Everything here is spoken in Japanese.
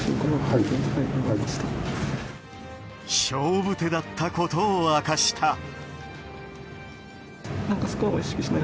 勝負手だったことを明かした。